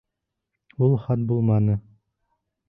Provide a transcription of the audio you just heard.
Ул хат булманы.